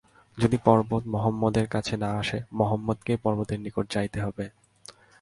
কিন্তু যদি পর্বত মহম্মদের কাছে না আসে, মহম্মদকেই পর্বতের নিকট যাইতে হইবে।